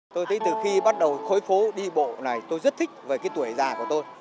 tôi thấy từ khi bắt đầu khối phố đi bộ này tôi rất thích với tuổi già của tôi